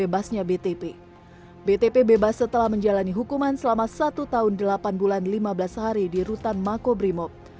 btp bebas setelah menjalani hukuman selama satu tahun delapan bulan lima belas hari di rutan makobrimob